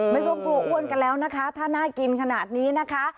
ไม่ต้องกลัวอ้วนกันแล้วนะคะถ้าน่ากินขนาดนี้นะคะ